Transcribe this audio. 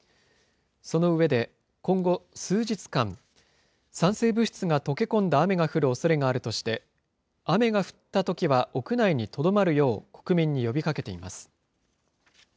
その上で、今後数日間、酸性物質が溶け込んだ雨が降るおそれがあるとして、雨が降ったときは屋内にとどまるよう、国民に呼びかけています。